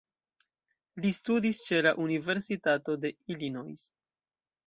Li studis ĉe la Universitato de Illinois.